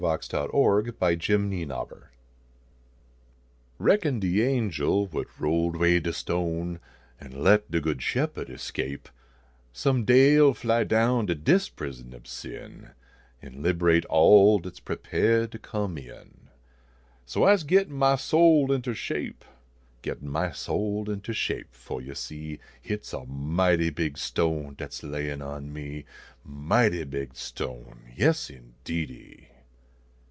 G1TT1N" MY SOUL INTER SHAPE Reckon de angel what rolled way de stone, An let de good shepherd escape, Some day 11 fly down to dis prison ob sin An lib rate all dat s prepahed to come in ; vSo I se gittin my soul inter shape, Gittin my soul inter shape, fo yo see Hit s a mighty big stone dat s layiii on me, Mighty big stone ! Yes, indeedy